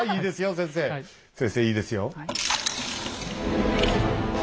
先生いいですよ。